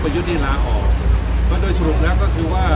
เพราะโดยสรุปแล้วก็คือว่า